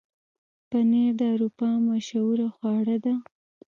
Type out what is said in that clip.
پنېر د اروپا مشهوره خواړه ده.